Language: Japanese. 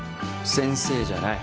先生じゃない。